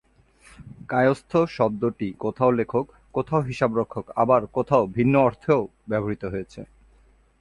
কায়স্থ শব্দটি কোথাও লেখক, কোথাও হিসাবরক্ষক আবার কোথাও ভিন্ন অর্থেও ব্যবহৃত হয়েছে।